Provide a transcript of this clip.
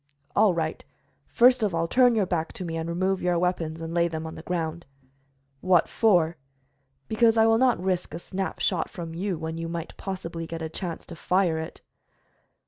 "All right. First of all, turn your back to me and remove your weapons, and lay them on the ground." "What for?" "Because I will not risk a snap shot from you when you might possibly get a chance to fire it."